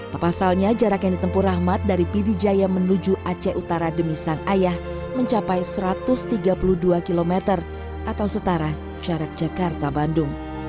papasalnya jarak yang ditempuh rahmat dari pidijaya menuju aceh utara demi sang ayah mencapai satu ratus tiga puluh dua km atau setara jarak jakarta bandung